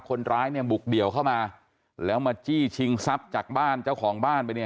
คนร้ายบุกเดี่ยวเข้ามาแล้วมาจี้ชิงทรัพย์จากเจ้าของบ้านไป